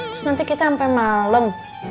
terus nanti kita sampe malem